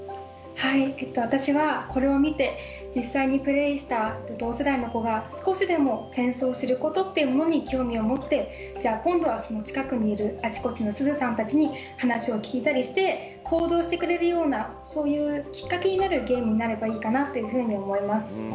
私はこれを見て実際にプレイした同世代の子が少しでも戦争を知ることっていうものに興味を持って今度は近くにいるあちこちのすずさんたちに話を聞いたりして行動してくれるようなそういうきっかけになるゲームになればいいかなというふうに思います。